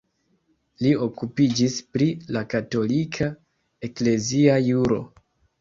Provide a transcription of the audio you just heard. Li okupiĝis pri la katolika eklezia juro.